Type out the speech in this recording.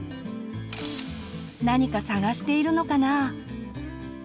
何か探しているのかな？